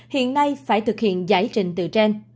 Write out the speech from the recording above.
hiện nay phải thực hiện giải trình từ trên